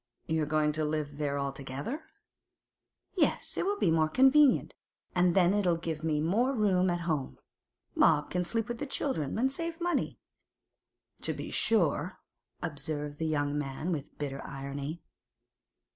'You're going to live there altogether?' 'Yes; it'll be more convenient, and then it'll give them more room at home. Bob can sleep with the children, and save money.' 'To be sure!' observed the young man with bitter irony.